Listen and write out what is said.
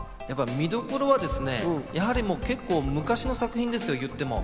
見どころは結構、昔の作品ですよ言っても。